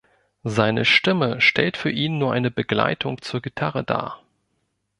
Seine Stimme stellt für ihn nur eine „Begleitung“ zur Gitarre dar.